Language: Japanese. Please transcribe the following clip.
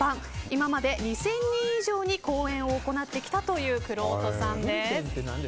今まで２０００人以上に講演を行ってきたというくろうとさんです。